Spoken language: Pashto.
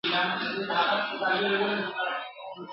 جهاني ته وا یاران دي یو په یو خاورو خوړلي ..